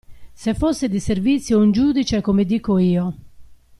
Se fosse di servizio un giudice come dico io.